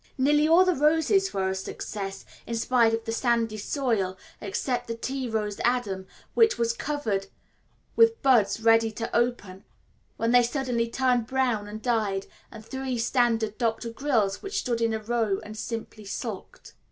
Nearly all the roses were a success, in spite of the sandy soil, except the tea rose Adam, which was covered with buds ready to open, when they suddenly turned brown and died, and three standard Dr. Grills which stood in a row and simply sulked.